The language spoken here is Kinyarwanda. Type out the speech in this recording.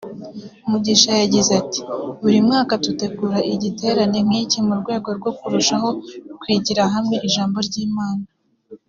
Mugisha yagize ati « Buri mwaka dutegura igiterane nk’iki mu rwego rwo kurushaho kwigira hamwe ijambo ry’Imana